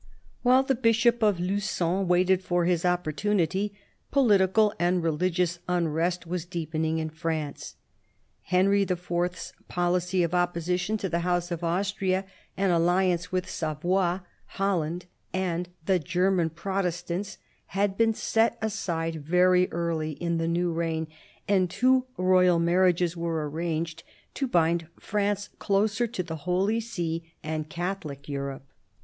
While the Bishop of Lu^on waited for his opportunity, political and religious unrest was deepening in France. Henry IV.'s policy of opposition to the House of Austria and alliance with Savoy, Holland, and the German Protestants, had been set aside very early in the new reign, and two royal marriages were arranged to bind France closer to the Holy See and Catholic Europe.